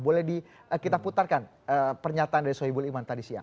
boleh kita putarkan pernyataan dari sohibul iman tadi siang